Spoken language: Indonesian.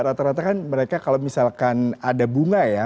rata rata kan mereka kalau misalkan ada bunga ya